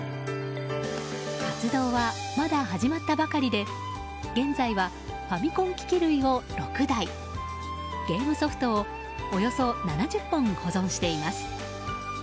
活動はまだ始まったばかりで現在は、ファミコン機器類を６台ゲームソフトをおよそ７０本保存しています。